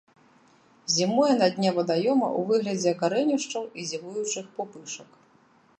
Зімуе на дне вадаёма ў выглядзе карэнішчаў і зімуючых пупышак.